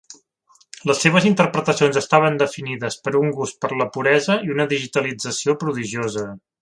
Les seves interpretacions estaven definides per un gust per la puresa i una digitalització prodigiosa.